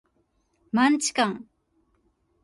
マンチカン